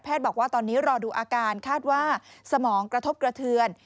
บอกว่าตอนนี้รอดูอาการคาดว่าสมองกระทบกระเทือน